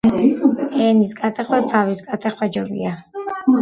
ენის გატეხვას თავის გატეხვა ჯობია